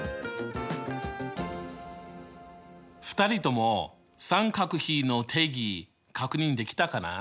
２人とも三角比の定義確認できたかな？